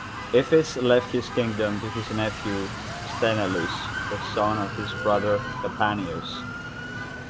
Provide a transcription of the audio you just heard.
Iphis left his kingdom to his nephew Sthenelus, the son of his brother Capaneus.